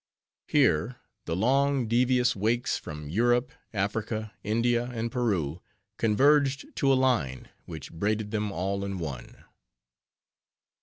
Here the long, devious wakes from Europe, Africa, India, and Peru converged to a line, which braided them all in one.